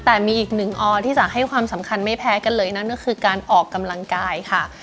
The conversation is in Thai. แต่มีอีกหนึ่งออที่จะให้ความสำคัญไม่แพ้กันเลยนั่นก็คือการออกกำลังกายค่ะ